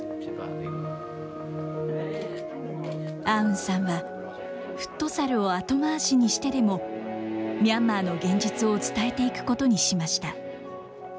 アウンさんは、フットサルを後回しにしてでも、ミャンマーの現実を伝えていくことにしました。